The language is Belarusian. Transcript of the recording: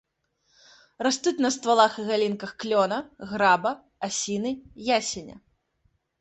Растуць на ствалах і галінках клёна, граба, асіны, ясеня.